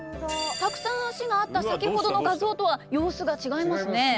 たくさん脚があった先ほどの画像とは様子が違いますね。